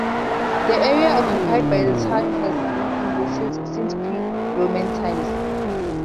The area occupied by the town has been inhabited since pre-Roman times.